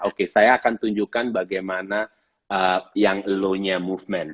oke saya akan tunjukkan bagaimana yang low nya movement